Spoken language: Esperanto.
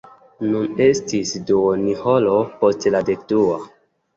Nun estis duonhoro post la dekdua.